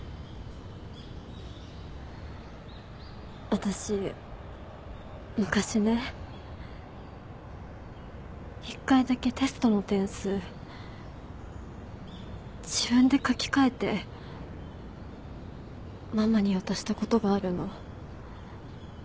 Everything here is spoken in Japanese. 私昔ね１回だけテストの点数自分で書き換えてママに渡したことがあるの。